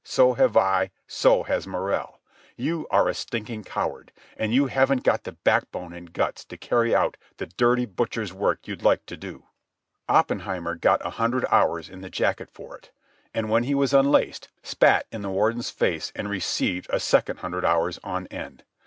So have I. So has Morrell. You are a stinking coward, and you haven't got the backbone and guts to carry out the dirty butcher's work you'd like to do." Oppenheimer got a hundred hours in the jacket for it, and, when he was unlaced, spat in the Warden's face and received a second hundred hours on end.